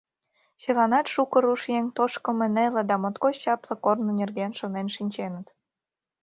Чыланат шуко руш еҥ тошкымо неле да моткоч чапле корно нерген шонен шинченыт.